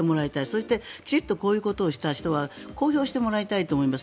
そしてこういうことをした人は公表してもらいたいと思います。